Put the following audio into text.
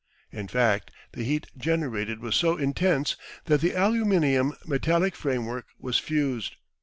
In fact the heat generated was so intense that the aluminium metallic framework was fused.